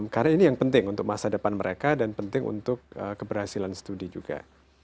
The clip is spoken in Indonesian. karena ini yang penting untuk masa depan mereka dan penting untuk keberhasilan studi juga